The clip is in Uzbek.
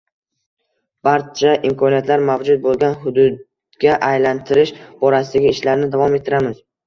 barcha imkoniyatlar mavjud bo‘lgan hududga aylantirish borasidagi ishlarni davom ettiramiz.